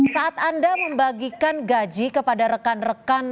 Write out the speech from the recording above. saat anda membagikan gaji kepada rekan rekan